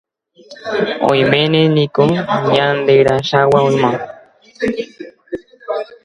Oiméne niko ñanderechaga'úma